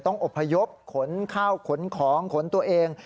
อบพยพขนข้าวขนของขนตัวเอง